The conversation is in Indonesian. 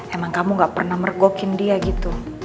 emang kamu gak pernah mergokin dia gitu